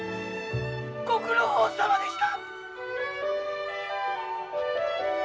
ご苦労さまでした！